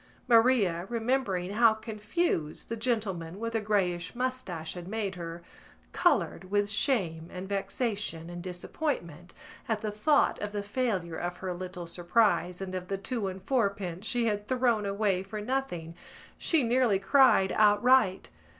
Maria, remembering how confused the gentleman with the greyish moustache had made her, coloured with shame and vexation and disappointment. At the thought of the failure of her little surprise and of the two and fourpence she had thrown away for nothing she nearly cried outright.